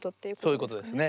そういうことですね。